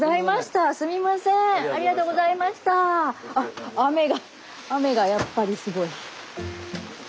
あっ雨が雨がやっぱりすごい。